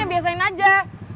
ya biasain aja